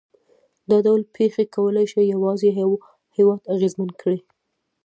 دا ډول پېښې کولای شي یوازې یو هېواد اغېزمن کړي.